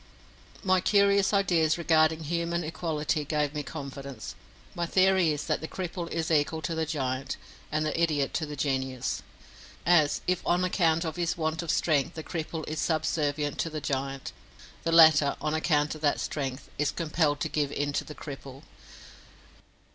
My curious ideas regarding human equality gave me confidence. My theory is that the cripple is equal to the giant, and the idiot to the genius. As, if on account of his want of strength the cripple is subservient to the giant, the latter, on account of that strength, is compelled to give in to the cripple.